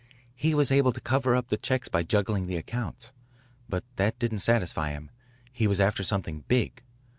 "He was able to cover up the checks by juggling the accounts. But that didn't satisfy him. He was after something big.